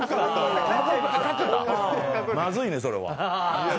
まずいね、それは。